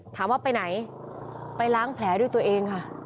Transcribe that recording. ถามว่าไปไหนไปล้างแผลด้วยตัวเองค่ะ